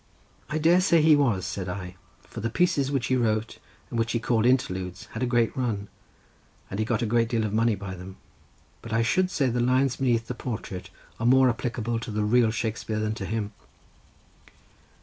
"I dare say he was," said I, "for the pieces which he wrote, and which he called Interludes, had a great run, and he got a great deal of money by them, but I should say the lines beneath the portrait are more applicable to the real Shakespear than to him."